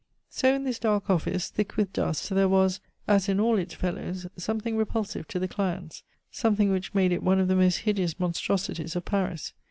So in this dark office, thick with dust, there was, as in all its fellows, something repulsive to the clients something which made it one of the most hideous monstrosities of Paris.